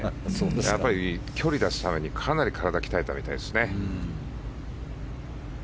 やっぱり距離を出すのにかなり体を鍛えたみたいですね。